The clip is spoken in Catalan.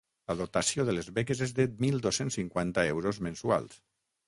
La dotació de les beques és de mil dos-cents cinquanta euros mensuals.